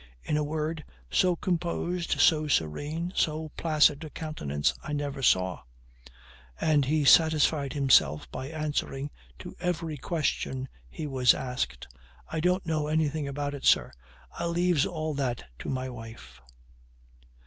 In a word, so composed, so serene, so placid a countenance, I never saw; and he satisfied himself by answering to every question he was asked, "I don't know anything about it, sir; I leaves all that to my wife."